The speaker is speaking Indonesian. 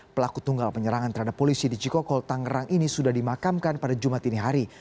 pelaku tunggal penyerangan terhadap polisi di cikokol tangerang ini sudah dimakamkan pada jumat ini hari